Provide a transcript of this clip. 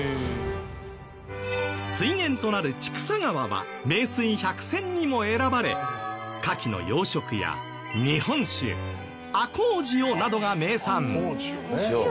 水源となる千種川は名水百選にも選ばれ牡蠣の養殖や日本酒赤穂塩などが名産。